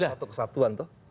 satu kesatuan tuh